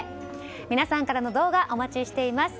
皆さんからの動画お待ちしています。